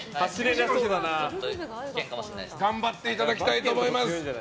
頑張っていただきたいと思います。